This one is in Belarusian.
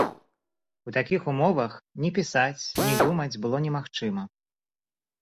У такіх умовах ні пісаць, ні думаць было немагчыма.